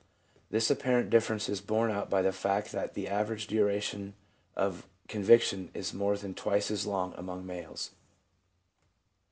This apparent difference is borne out by the fact that the average duration of conviction is more than twice as long among males.